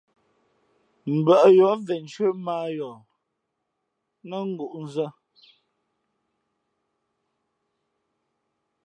Mbᾱʼ yǒh ven nshʉ́ά mά ā yǒh nά ngǔʼnzᾱ.